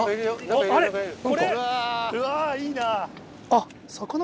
うわいいな。